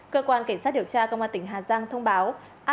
cơ quan cảnh sát điều tra công an tỉnh hà giang thông báo